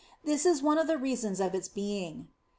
This is one of the reasons of its being.